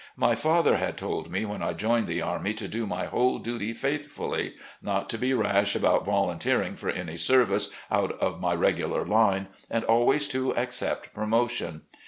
My father had told me when I joined the army to do my whole duty faithfully, not to be rash about voltmteering for any service out of my regular line, and always to accept promotion.